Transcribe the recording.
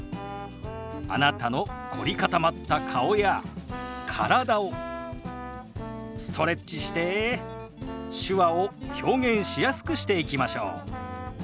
あなたの凝り固まった顔や体をストレッチして手話を表現しやすくしていきましょう。